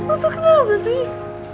untuk kenapa sih